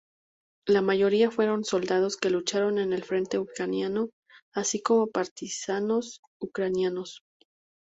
La mayoría fueron soldados que lucharon en el frente ucraniano, así como partisanos ucranianos.